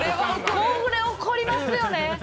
これ怒りますよね。